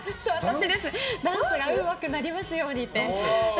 ダンスがうまくなりますようにって。